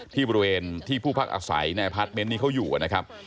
ที่บริเวณที่ผู้พักอาศัยในอพาร์ทเมนต์นี้เขาอยู่นะครับ